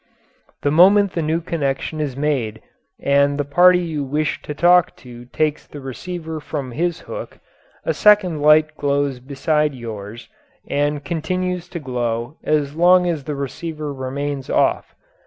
The moment the new connection is made and the party you wish to talk to takes off the receiver from his hook, a second light glows beside yours, and continues to glow as long as the receiver remains off.